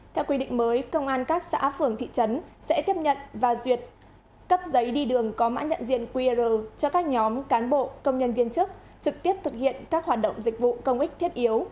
theo quy định mới công an các xã phường thị trấn sẽ tiếp nhận và duyệt cấp giấy đi đường có mã nhận diện qr cho các nhóm cán bộ công nhân viên chức trực tiếp thực hiện các hoạt động dịch vụ công ích thiết yếu